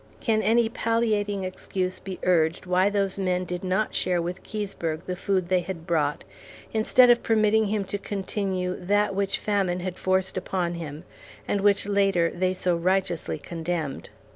Can any palliating excuse be urged why those men did not share with Keseberg the food they had brought, instead of permitting him to continue that which famine had forced upon him, and which later they so righteously condemned?